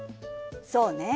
そうね。